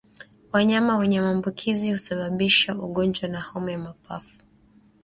Wanyama wenye maambukizi husababisha ugonjwa wa homa ya mapafu